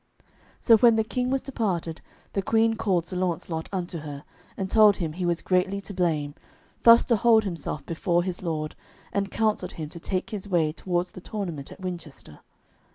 So when the King was departed, the Queen called Sir Launcelot unto her, and told him he was greatly to blame, thus to hold himself behind his lord, and counselled him to take his way towards the tournament at Winchester.